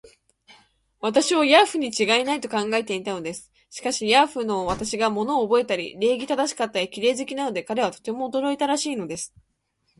私をヤーフにちがいない、と考えていたのです。しかし、ヤーフの私が物をおぼえたり、礼儀正しかったり、綺麗好きなので、彼はとても驚いたらしいのです。